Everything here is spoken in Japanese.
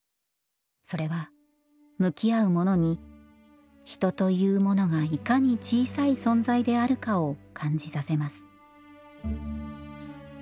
それは向き合う者に人というものがいかに小さい存在であるかを感じさせます